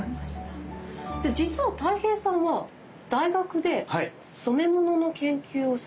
実はたい平さんは大学で染め物の研究をされていた？